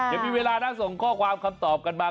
ยังมีเวลานะส่งข้อความคำตอบกันมา